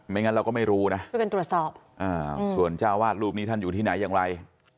ไม่งั้นเราก็ไม่รู้นะส่วนเจ้าวาดรูปนี้ท่านอยู่ที่ไหนอย่างไร